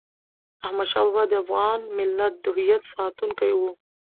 احمد شاه بابا د افغان ملت د هویت ساتونکی و.